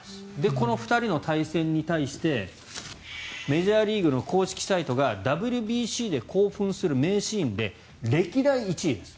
この２人の対戦に対してメジャーリーグの公式サイトがＷＢＣで興奮する名シーンで歴代１位です。